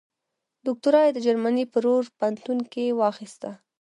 دوکتورا یې د جرمني په رور پوهنتون کې واخیسته.